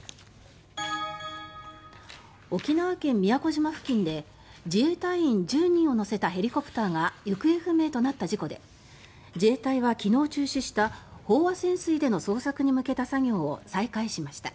沖縄県・宮古島付近で自衛隊員１０人を乗せたヘリコプターが行方不明となった事故で自衛隊は昨日中止した飽和潜水での捜索に向けた作業を再開しました。